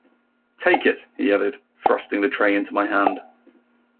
‘Take it,’ he added, thrusting the tray into my hand.